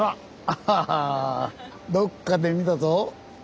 あぁどっかで見たぞ。